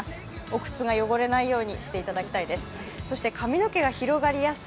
お靴が汚れないようにしていただきたいです。